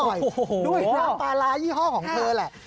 ด้วยปาลายี่ห้อของเธอแหละ